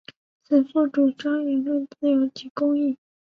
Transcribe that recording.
此赋主张言论自由及公义。